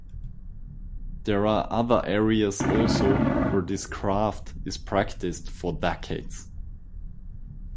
There are other areas also where this craft is practiced for decades.